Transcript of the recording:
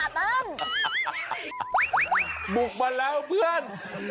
ตื่น